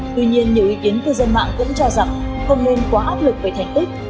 tuy nhiên nhiều ý kiến cư dân mạng cũng cho rằng không nên quá áp lực về thành tích